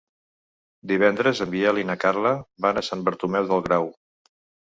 Divendres en Biel i na Carla van a Sant Bartomeu del Grau.